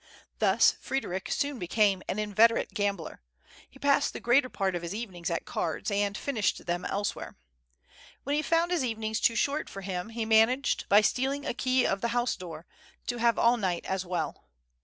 Thus Frdderic soon became an inveterate gambler ; he passed the greater part of his evenings at cards, and finished them elsewhere. When he found his evenings too short for him he managed, by steal ing a key of the house door, to have all night as well.